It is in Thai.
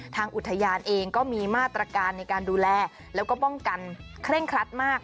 ทางอุทยานเองก็มีมาตรการในการดูแลแล้วก็ป้องกันเคร่งครัดมาก